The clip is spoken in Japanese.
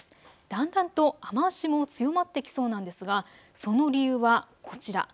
だんだんと雨足も強まってきそうなんですがその理由はこちら。